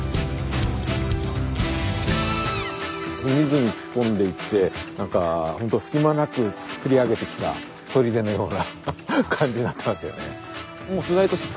隅々突っ込んでいて隙間なく作り上げてきたとりでのような感じになってますよね。